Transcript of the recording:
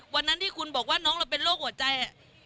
วันนั้นที่คุณบอกว่าน้องเราเป็นโรคหัวใจ